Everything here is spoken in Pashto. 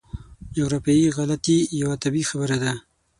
جغرافیایي غلطي یوه طبیعي خبره ده.